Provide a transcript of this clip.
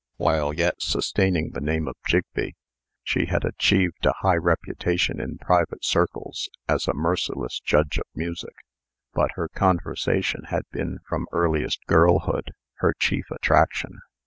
While yet sustaining the name of Jigbee, she had achieved a high reputation in private circles as a merciless judge of music. But her conversation had been, from earliest girlhood, her chief attraction.